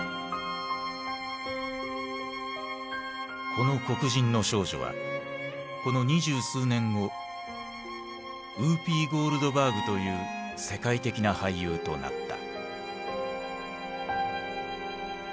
この黒人の少女はこの二十数年後ウーピー・ゴールドバーグという世界的な俳優となった。